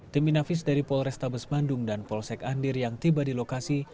tim inafis dari polrestabes bandung dan polsek andir yang tiba di lokasi